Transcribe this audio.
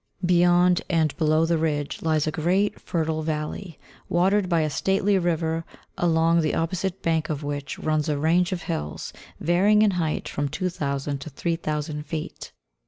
Beyond and below the ridge lies a great, fertile valley, watered by a stately river, along the opposite bank of which runs a range of hills, varying in height from 2000 to 3000 feet.